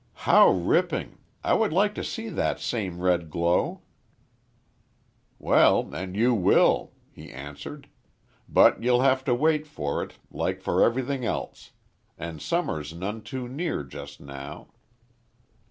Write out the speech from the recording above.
"How ripping, I would like to see that same red glow." "Well, and you will," he answered. "But you'll have to wait for it, like for everything else. And summer's none too near just now."